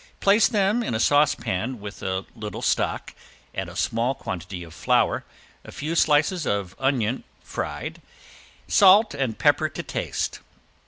Place them in a saucepan with a little stock, add a small quantity of flour, a few slices of onion fried, salt and pepper to taste.